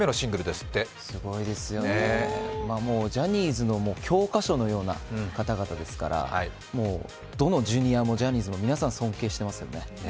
すごいですよね、もうジャニーズの教科書のような方ですからどのＪｒ．も皆さん、尊敬してます。